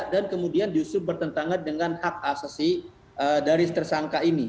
dan kemudian justru bertentangan dengan hak asasi dari tersangka ini